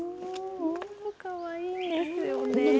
本当かわいいんですよね。